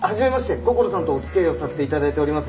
こころさんとお付き合いをさせて頂いております。